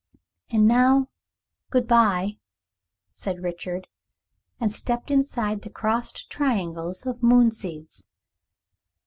"And now, good bye," said Richard, and stepped inside the crossed triangles of moon seeds.